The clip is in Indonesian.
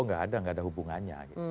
oh nggak ada nggak ada hubungannya